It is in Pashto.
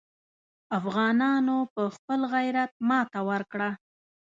افغانانو په خپل غیرت ماته ورکړه.